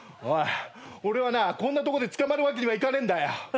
おい俺はなこんなとこで捕まるわけにはいかねえんだよ。